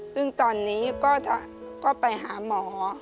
ซึ่งตอนนี้ก็ไปหาหมอ